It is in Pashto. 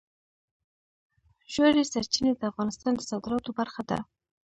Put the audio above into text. ژورې سرچینې د افغانستان د صادراتو برخه ده.